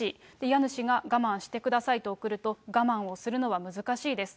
家主が我慢してくださいと送ると、我慢をするのは難しいです。